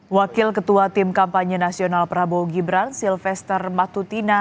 wakil ketua tim kampanye nasional prabowo gibran silvester matutina